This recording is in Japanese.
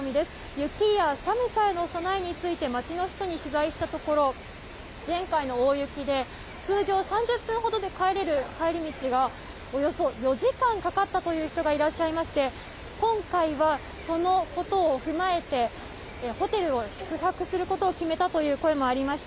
雪や寒さへの備えについて、街の人に取材したところ、前回の大雪で、通常、３０分ほどで帰れる帰り道が、およそ４時間かかったという人がいらっしゃいまして、今回はそのことを踏まえて、ホテルを宿泊することを決めたという声もありました。